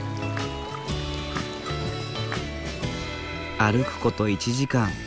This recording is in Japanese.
歩くこと１時間。